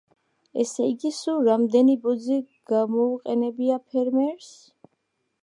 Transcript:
ესე იგი, სულ რამდენი ბოძი გამოუყენებია ფერმერს?